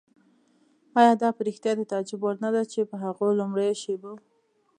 آیا دا په رښتیا د تعجب وړ نه ده چې په هغو لومړیو شېبو.